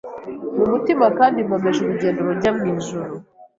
mu mutima kandi nkomeje urugendo rujya mu ijuru